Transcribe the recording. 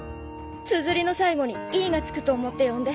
つづりの最後に「Ｅ」が付くと思って呼んで。